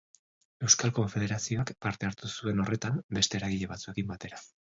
Euskal Konfederazioak parte hartu zuen horretan beste eragile batzuekin batera.